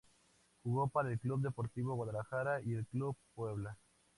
Jugó para el Club Deportivo Guadalajara y el Club Puebla.